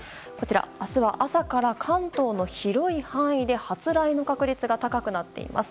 明日は朝から関東の広い範囲で発雷の確率が高くなっています。